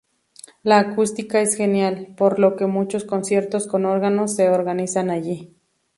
La acústica es genial, por lo que muchos conciertos con órganos se organizan allí.